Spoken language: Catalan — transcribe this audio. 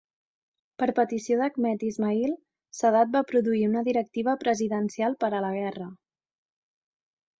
Per petició d'Ahmed Ismail, Sadat va produir una directiva presidencial per a la guerra.